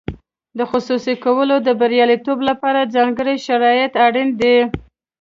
د خصوصي کولو د بریالیتوب لپاره ځانګړي شرایط اړین دي.